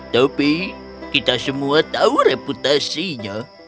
tapi kita semua tahu reputasinya